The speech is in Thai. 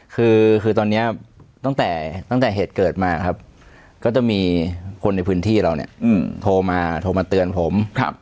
คือตอนนี้ตั้งแต่ตั้งแต่เหตุเกิดมาครับก็จะมีคนในพื้นที่เราเนี่ยโทรมาโทรมาเตือนผม